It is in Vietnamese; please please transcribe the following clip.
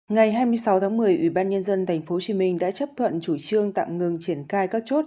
ngày hai mươi sáu tháng một mươi ủy ban nhân dân tp hcm đã chấp thuận chủ trương tạm ngừng triển khai các chốt